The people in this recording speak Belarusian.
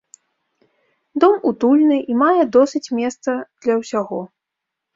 Дом утульны і мае досыць месца для ўсяго.